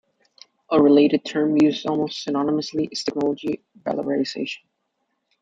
A related term, used almost synonymously, is "technology valorisation".